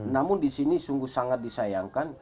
namun disini sungguh sangat disayangkan